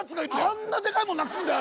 あんなでかいもんなくすんだよ？